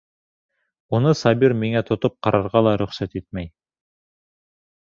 Уны Сабир миңә тотоп ҡарарға ла рөхсәт итмәй.